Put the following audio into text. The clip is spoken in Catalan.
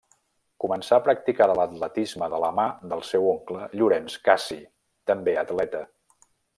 Començà a practicar l'atletisme de la mà del seu oncle Llorenç Cassi, també atleta.